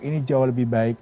ini jauh lebih baik